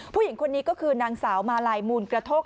ผู้หญิงคนนี้ก็คือนางสาวมาลัยมูลกระโทก